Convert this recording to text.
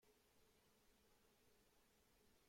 هر چند وقت یک بار به گیاهان آب می دهی؟